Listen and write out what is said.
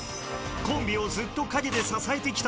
コンビをずっと陰で支えてきた男